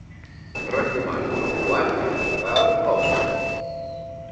Recomano el quad amb pedal Omni.